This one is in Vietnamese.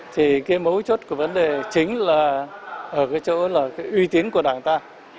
thì cái mấu chốt của vấn đề chính là ở cái chỗ là cái uy tín của đảng ta